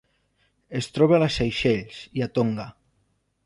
Es troba a les Seychelles i a Tonga.